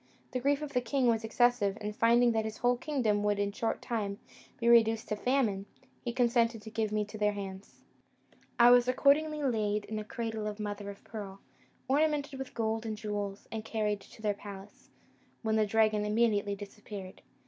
The grief of the king was excessive; and, finding that his whole kingdom would in a short time be reduced to famine, he consented to give me into their hands. I was accordingly laid in a cradle of mother o' pearl, ornamented with gold and jewels, and carried to their palace, when the dragon immediately disappeared.